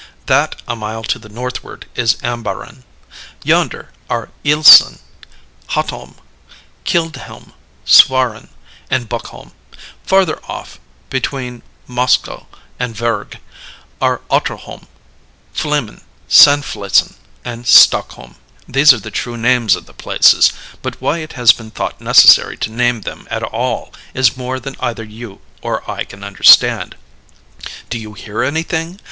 That a mile to the northward is Ambaaren. Yonder are Islesen, Hotholm, Keildhelm, Suarven, and Buckholm. Farther off between Moskoe and Vurrgh are Otterholm, Flimen, Sandflesen, and Stockholm. These are the true names of the places; but why it has been thought necessary to name them at all is more than either you or I can understand. Do you hear anything?